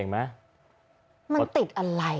มันติดอะไร